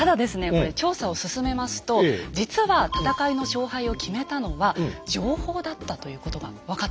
これ調査を進めますと実は戦いの勝敗を決めたのは「情報」だったということが分かってきたんです。